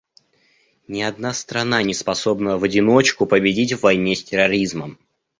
Ни одна страна не способна в одиночку победить в войне с терроризмом.